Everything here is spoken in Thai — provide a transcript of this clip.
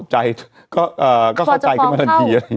ใจก็เข้าใจขึ้นมาทันที